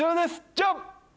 ジャン！